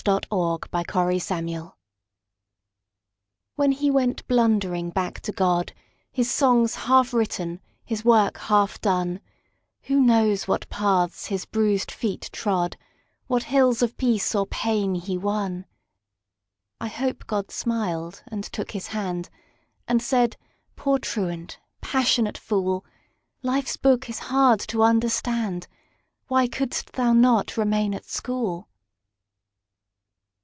1922. Of One Self Slain WHEN he went blundering back to God, His songs half written, his work half done, Who knows what paths his bruised feet trod, What hills of peace or pain he won?I hope God smiled and took his hand, And said, "Poor truant, passionate fool! Life's book is hard to understand:Why couldst thou not remain at school?"